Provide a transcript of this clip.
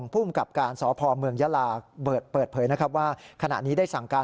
ภูมิกับการสพเมืองยาลาเปิดเผยนะครับว่าขณะนี้ได้สั่งการ